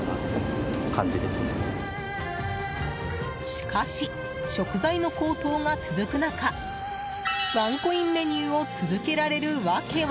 しかし、食材の高騰が続く中ワンコインメニューを続けられる訳は？